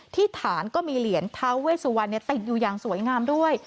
ที่ฐานก็มีเหรียญท้าเวสุวรรณติดอยู่อย่างสวยงามด้วย